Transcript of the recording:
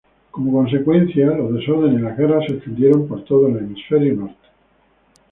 Como consecuencia, los desórdenes y las guerras se extendieron por todo el hemisferio norte.